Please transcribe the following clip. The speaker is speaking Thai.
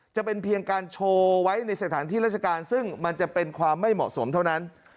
จะเป็นเพียงการโชว์ไว้ในสถานที่ราชการซึ่งมันจะเป็นความไม่เหมาะสมเท่านั้น